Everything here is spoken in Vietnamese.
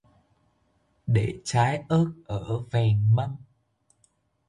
Để trái ớt ở vèng mâm